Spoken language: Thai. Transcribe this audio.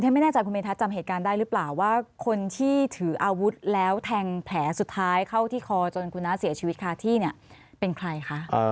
ไม่แน่ใจคุณเมทัศน์จำเหตุการณ์ได้หรือเปล่าว่าคนที่ถืออาวุธแล้วแทงแผลสุดท้ายเข้าที่คอจนคุณน้าเสียชีวิตคาที่เนี่ยเป็นใครคะ